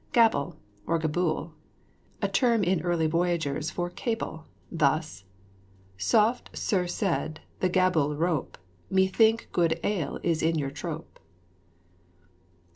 GABLE, OR GABULLE. A term in early voyagers for cable. Thus, "Softe, ser, seyd the gabulle rope, Methinke gode ale is in your tope."